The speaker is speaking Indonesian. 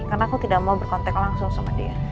karena aku tidak mau berkontak langsung sama dia